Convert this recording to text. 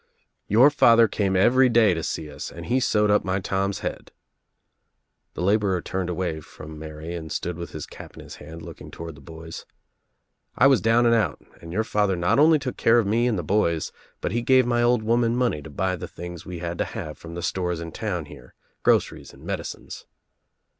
"Your father came every day to see us and he sewed up my Tom's head." The laborer turned away from Mary and stood with his cap in his hand looking toward the boys, "I was down and out and your father not only took care of me and the boys but he gave my old woman money to buy the things we had to have from the stores in town here, groceries and medicines."